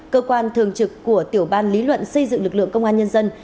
cơ quan thường trực của tiểu ban lý luận xây dựng lực lượng công an nhân dân